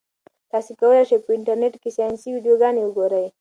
تاسي کولای شئ په انټرنيټ کې ساینسي ویډیوګانې وګورئ.